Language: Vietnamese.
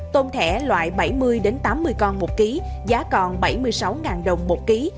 tôm thẻ loại bảy mươi tám mươi con một ký giá còn bảy mươi sáu đồng một ký